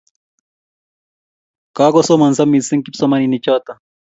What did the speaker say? Kakosomanso missing' kipsomaninik chotok